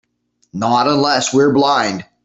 Not unless we're blind.